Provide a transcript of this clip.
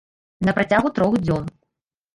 На працягу трох дзён.